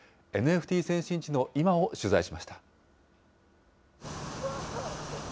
ＮＦＴ先進地の今を取材しました。